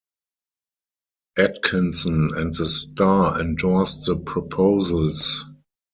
Atkinson and the "Star" endorsed the proposals.